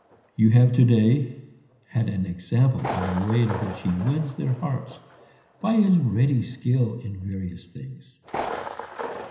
You have to day had an example of the way in which he wins their hearts by his ready skill in various things.